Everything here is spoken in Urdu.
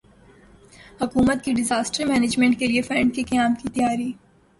حکومت کی ڈیزاسٹر مینجمنٹ کیلئے فنڈ کے قیام کی تیاری